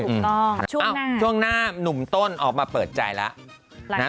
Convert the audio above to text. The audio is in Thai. ถูกต้องช่วงหน้าหนุ่มต้นออกมาเปิดใจแล้ว